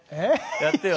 やってよ。